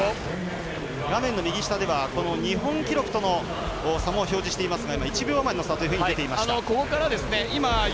画面の右下では日本記録との差を表示していますが１秒の差と出ていました。